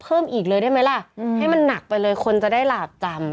เพิ่มอีกเลยได้ไหมล่ะให้มันหนักไปเลยคนจะได้หลาบจำ